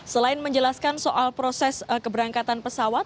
selain menjelaskan soal proses keberangkatan pesawat